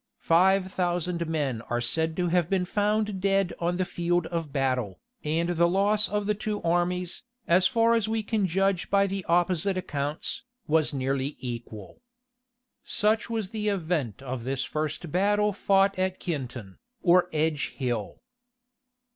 Five thousand men are said to have been found dead on the field of battle, and the loss of the two armies, as far as we can judge by the opposite accounts, was nearly equal. Such was the event of this first battle fought at Keinton, or Edge Hill.